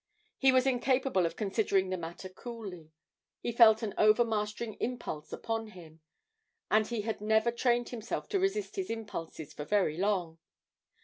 He was incapable of considering the matter coolly; he felt an overmastering impulse upon him, and he had never trained himself to resist his impulses for very long.